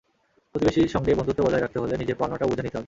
প্রতিবেশীর সঙ্গে বন্ধুত্ব বজায় রাখতে হলে নিজের পাওনাটাও বুঝে নিতে হবে।